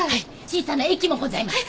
小さな駅もございます。